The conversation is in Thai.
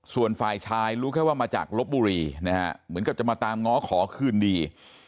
ส่วนฝ่ายชายรู้แค่ว่ามาจากลบบุรีนะฮะเหมือนกับจะมาตามง้อขอคืนดี